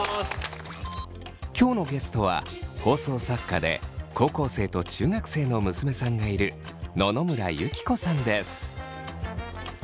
今日のゲストは放送作家で高校生と中学生の娘さんがいる野々村友紀子さんです。